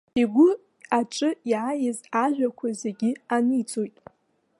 Игәы аҿы иаиз ажәақәа зегьы аниҵоит.